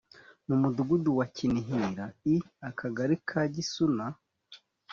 mu mudugudu wa kinihira i akagari ka gisuna